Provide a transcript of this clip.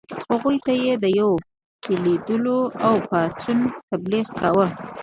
هغوی ته یې د یو کېدلو او پاڅون تبلیغ کاوه.